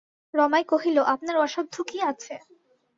রমাই কহিল, আপনার অসাধ্য কী আছে?